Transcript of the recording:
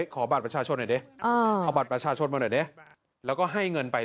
ขอบัตรประชาชนหน่อยดิเอาบัตรประชาชนมาหน่อยดิ